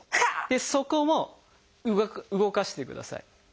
でそこも動かしてください。